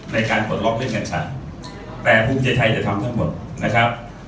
ในการกดล็อคเรื่องกัญชาแต่พุทธเฉยจะทำทั้งหมดนะครับ